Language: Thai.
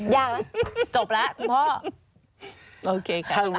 ยากละจบแล้วคุณหมอ